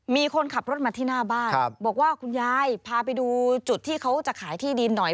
มีคนขับรถมาที่หน้าบ้านบอกว่าคุณยายพาไปดูจุดที่เขาจะขายที่ดินหน่อย